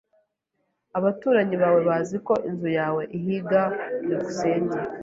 Abaturanyi bawe bazi ko inzu yawe ihiga? byukusenge